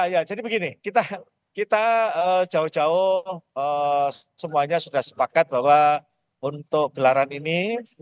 ya jadi begini kita jauh jauh semuanya sudah sepakat bahwa untuk gelaran ini